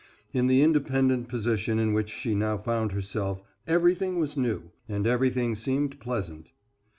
In the independent position in which she now found herself everything was new, and everything seemed pleasant.